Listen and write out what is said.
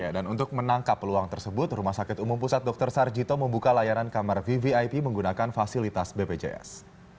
dan untuk menangkap peluang tersebut rumah sakit umum pusat dr sarjito membuka layanan kamar vvip menggunakan fasilitas bpjs